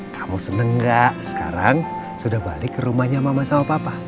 kamu seneng gak sekarang sudah balik ke rumahnya mama sama papa